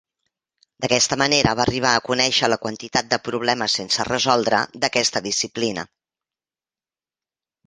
D'aquesta manera va arribar a conèixer la quantitat de problemes sense resoldre d'aquesta disciplina.